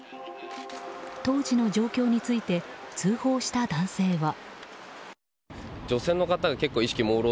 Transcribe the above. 当時の状況について通報した男性は。